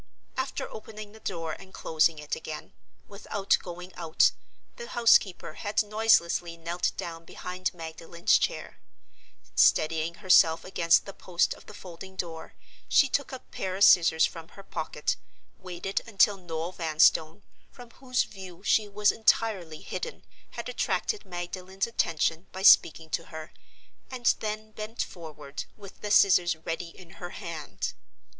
After opening the door and closing it again, without going out, the housekeeper had noiselessly knelt down behind Magdalen's chair. Steadying herself against the post of the folding door, she took a pair of scissors from her pocket, waited until Noel Vanstone (from whose view she was entirely hidden) had attracted Magdalen's attention by speaking to her, and then bent forward, with the scissors ready in her hand.